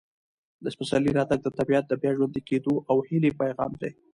د پسرلي راتګ د طبیعت د بیا ژوندي کېدو او هیلې پیغام دی.